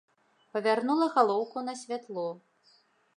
Павярнула галоўку на святло.